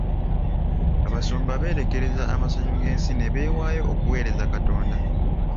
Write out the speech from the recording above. Abasumba beerekereza amasanyu g'ensi ne beewaayo okuweereza Katonda.